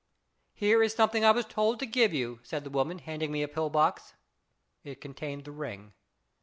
4 Here is something I was told to give you,' said the woman, handing me a pill box. It contained the ring!